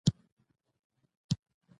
لمسی د نیا راز دی.